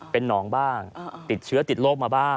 เป็นหนองบ้างติดเชื้อติดโรคมาบ้าง